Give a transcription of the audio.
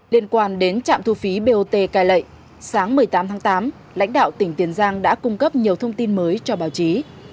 liên quan đến trạm thu phí bot cai lệ sáng một mươi tám tháng tám lãnh đạo tỉnh tiền giang đã cung cấp nhiều thông tin mới cho báo chí